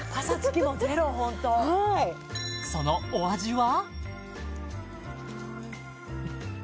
そのお味は？